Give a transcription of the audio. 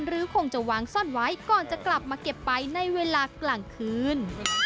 คงจะวางซ่อนไว้ก่อนจะกลับมาเก็บไปในเวลากลางคืน